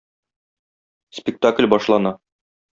Спектакль башлана.